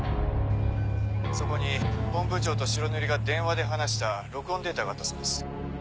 そこに本部長と白塗りが電話で話した録音データがあったそうです。